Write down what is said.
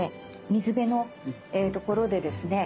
水辺のところでですね